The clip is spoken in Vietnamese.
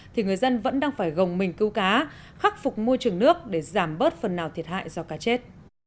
thì người dân vẫn đang phải gồng mình cứu cá khắc phục môi trường nước để giảm bớt phần nào thiệt hại do cá chết